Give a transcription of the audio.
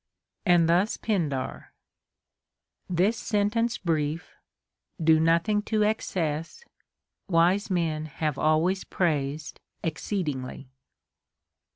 And thus Pindar :— This sentence briet, Do nothing to excess, Wise men have always praised exceedingly.